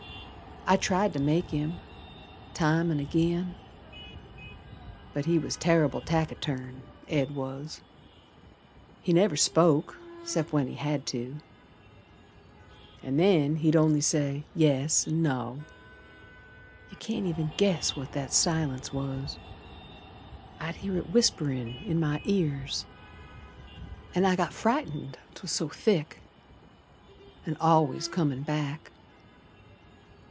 I tried to make him, Time an' agin, But he was terrible taciturn, Ed was. He never spoke 'cept when he had to, An' then he'd only say "yes" and "no". You can't even guess what that silence was. I'd hear it whisperin' in my ears, An' I got frightened, 'twas so thick, An' al'ays comin' back.